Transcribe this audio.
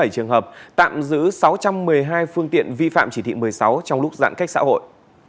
bảy mươi trường hợp tạm giữ sáu trăm một mươi hai phương tiện vi phạm chỉ thị một mươi sáu trong lúc giãn cách xã hội